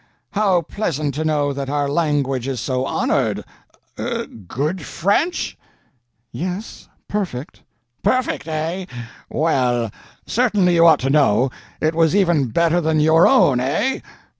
How pleasant to know that our language is so honored! Good French?" "Yes—perfect." "Perfect, eh? Well, certainly you ought to know. It was even better than your own, eh?"